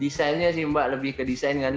desainnya sih mbak lebih ke desain kan